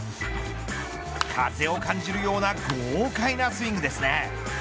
風を感じるような豪快なスイングですね。